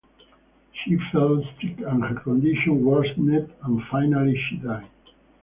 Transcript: She felt sick and her condition worsened and finally she died.